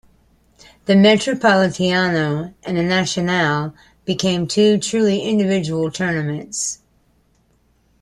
The Metropolitano and Nacional became two truly individual tournaments.